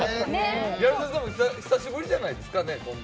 ギャル曽根さんも久しぶりじゃないですか。